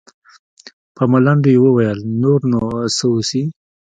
په ملنډو يې وويل نور نو څه وسي.